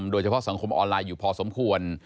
โดยเฉพาะสังคมออนไลน์อยู่พอสมควร